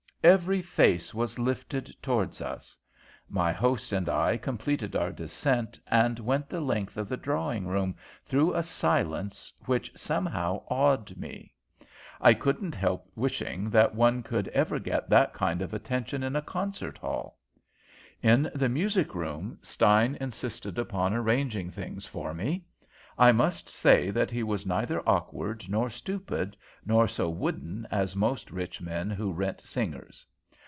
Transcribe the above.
Every face was lifted toward us. My host and I completed our descent and went the length of the drawing room through a silence which somewhat awed me. I couldn't help wishing that one could ever get that kind of attention in a concert hall. In the music room Stein insisted upon arranging things for me. I must say that he was neither awkward nor stupid, not so wooden as most rich men who rent singers.